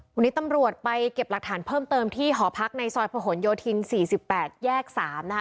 วันนี้ตำรวจไปเก็บหลักฐานเพิ่มเติมที่หอพักในซอยผนโยธิน๔๘แยก๓นะคะ